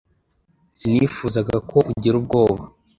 Sinifuzaga ko ugira ubwoba